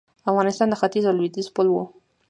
افغانستان د ختیځ او لویدیځ پل و